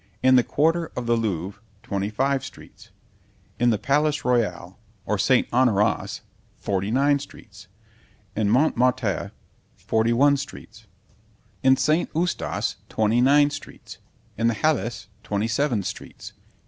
In the quarter of the Louvre, twenty five streets. In the Palace Royal, or St. Honorius, forty nine streets. In Mont. Martyr, forty one streets. In St. Eustace, twenty nine streets. In the Halles, twenty seven streets.